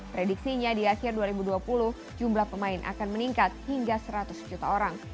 prediksinya di akhir dua ribu dua puluh jumlah pemain akan meningkat hingga seratus juta orang